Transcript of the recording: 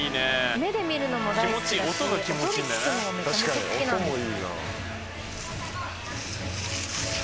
目で見るのも大好きだし音で聞くのもめちゃめちゃ好きなんですね。